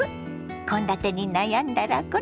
献立に悩んだらこれ！